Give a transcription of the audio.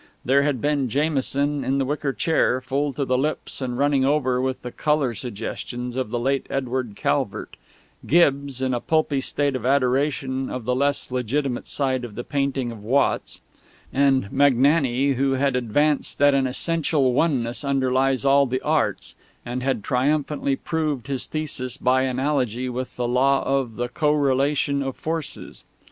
There had been Jamison in the wicker chair, full to the lips and running over with the Colour Suggestions of the late Edward Calvert; Gibbs, in a pulpy state of adoration of the less legitimate side of the painting of Watts; and Magnani, who had advanced that an Essential Oneness underlies all the Arts, and had triumphantly proved his thesis by analogy with the Law of the Co relation of Forces.